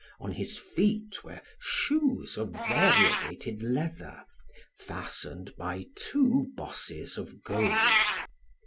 On his feet were shoes of variegated leather, fastened by two bosses of gold.